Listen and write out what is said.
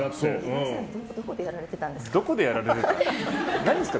岩井さんはどこでやられてたんですか？